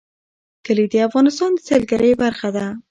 کلي د افغانستان د سیلګرۍ برخه ده.